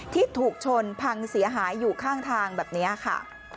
ที่ถูกชนพังเสียหายอยู่ข้างทางแบบนี้ค่ะ